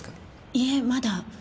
いいえまだ。